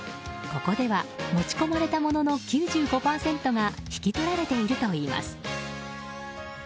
ここでは持ち込まれたものの９５％が引き取られているといいます。